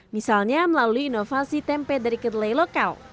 misalnya melalui inovasi tempe dari kedelai lokal